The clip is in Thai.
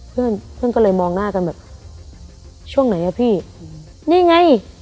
เพื่อนเพื่อนก็เลยมองหน้ากันแบบช่วงไหนอ่ะพี่นี่ไง